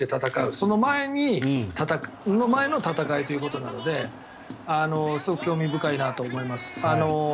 その前の戦いということなのですごく興味深いなと思います。